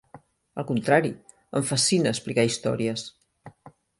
Al contrari, em fascina explicar històries.